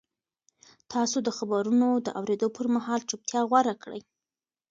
تاسو د خبرونو د اورېدو پر مهال چوپتیا غوره کړئ.